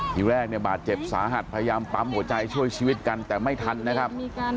ทีแรกเนี่ยบาดเจ็บสาหัสพยายามปั๊มหัวใจช่วยชีวิตกันแต่ไม่ทันนะครับ